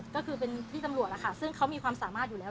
ก็คือเป็นพี่ตำรวจล่ะค่ะซึ่งเขามีความสามารถอยู่แล้ว